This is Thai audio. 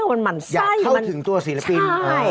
อยากเข้าถึงตัวศิลปิน